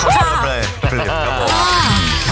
ใช่ค่ะ